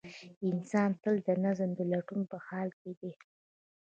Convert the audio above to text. انسان تل د نظم د لټون په حال کې دی.